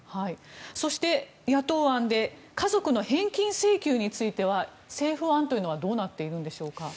そして野党案で家族の返金請求については政府案というのはどうなっているんでしょうか？